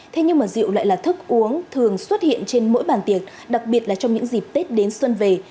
thế nhưng mà rượu lại là thức uống thường xuất hiện trên mỗi bàn tiệc đặc biệt là trong những dịp tết đến xuân về